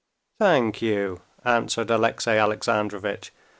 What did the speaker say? "Thank you," answered Alexey Alexandrovitch.